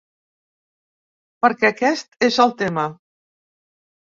Perquè aquest és el tema.